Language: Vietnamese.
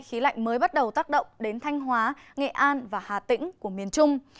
khí lạnh mới bắt đầu tác động đến thanh hóa nghệ an và hà tĩnh của miền trung